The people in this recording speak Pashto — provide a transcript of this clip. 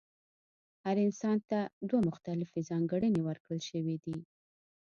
هر انسان ته دوه مختلفې ځانګړنې ورکړل شوې دي.